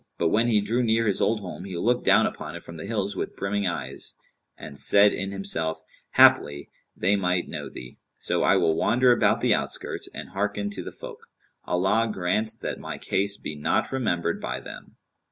But when he drew near his old home, he looked down upon it from the hills with brimming eyes, and said in himself, "Haply they might know thee; so I will wander about the outskirts, and hearken to the folk. Allah grant that my case be not remembered by them!"